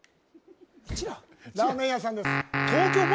ラーメン屋さんです